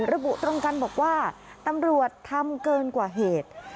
ระบุตรงกันบอกว่าตำรวจทำเกินกว่าเหตุ